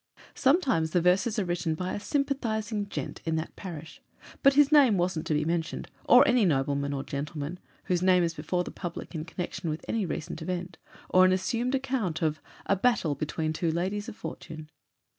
Sometimes the verses are written by a "sympathising gent" in that parish, "but his name wasn't to be mentioned, or any nobleman or gentleman," whose name is before the public in connection with any recent event, or an assumed account of "A Battle between Two Ladies of Fortune."